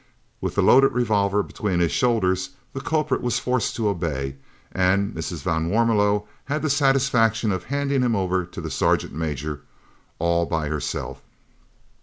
With the loaded revolver between his shoulders, the culprit was forced to obey, and Mrs. van Warmelo had the satisfaction of handing him over to the sergeant major "all by herself."